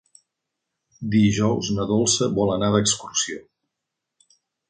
Dijous na Dolça vol anar d'excursió.